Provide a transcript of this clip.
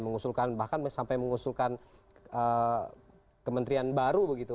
mengusulkan bahkan sampai mengusulkan kementerian baru begitu